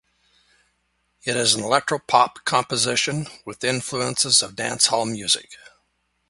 It is an electropop composition with influences of dancehall music.